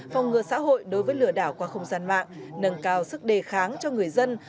phòng ngừa xã hội đối với lừa đảo qua không gian mạng nâng cao sức đề kháng cho người dân